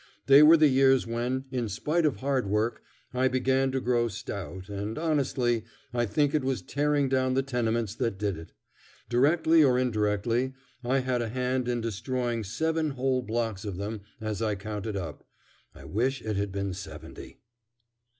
They were the years when, in spite of hard work, I began to grow stout, and honestly, I think it was tearing down tenements that did it. Directly or indirectly, I had a hand in destroying seven whole blocks of them as I count it up. I wish it had been seventy.